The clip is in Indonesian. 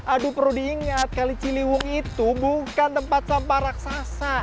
aduh perlu diingat kali ciliwung itu bukan tempat sampah raksasa